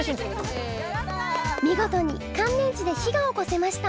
みごとに乾電池で火が起こせました。